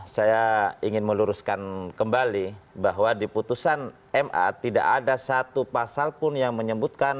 saya ingin meluruskan kembali bahwa di putusan ma tidak ada satu pasal pun yang menyebutkan